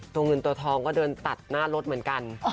เงินตัวทองก็เดินตัดหน้ารถเหมือนกัน